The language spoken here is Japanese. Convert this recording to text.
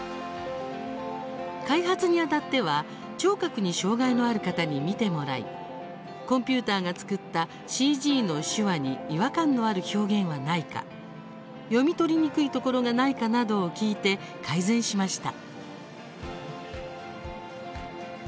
開発にあたっては聴覚に障害のある方に見てもらいコンピューターが作ったＣＧの手話に違和感のある表現はないか読み取りにくいところがないかなどを聞いて、改善しました。